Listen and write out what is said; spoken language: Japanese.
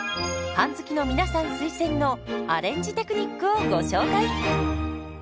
パン好きの皆さん推薦のアレンジテクニックをご紹介。